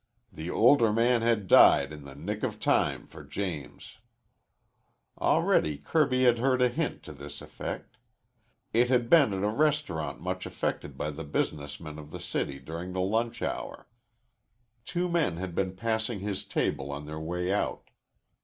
The older man had died in the nick of time for James_. Already Kirby had heard a hint to this effect. It had been at a restaurant much affected by the business men of the city during the lunch hour. Two men had been passing his table on their way out.